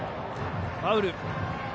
ファウル。